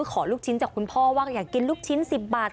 ขอลูกชิ้นจากคุณพ่อว่าอยากกินลูกชิ้น๑๐บาท